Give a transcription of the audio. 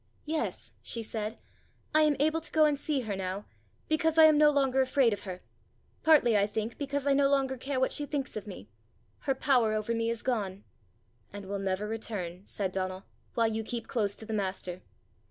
"Yes," she said; "I am able to go and see her now, because I am no longer afraid of her partly, I think, because I no longer care what she thinks of me. Her power over me is gone." "And will never return," said Donal, "while you keep close to the master.